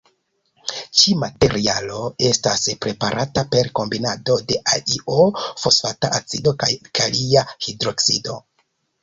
Ĉi-materialo estas preparata per kombinado de AlO, fosfata acido kaj kalia hidroksido.